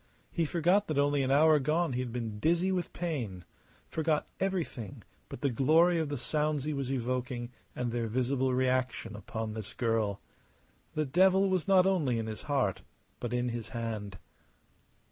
He forgot that only an hour gone he had been dizzy with pain, forgot everything but the glory of the sounds he was evoking and their visible reaction upon this girl. The devil was not only in his heart, but in his hand.